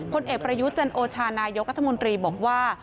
ผลเอกประยุทธ์จันโอชานายกรัฐมนตรีบอกว่า